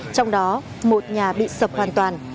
trong đó một nhà bị sập hoàn toàn